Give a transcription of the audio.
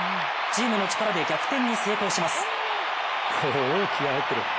チームの力で逆転に成功します。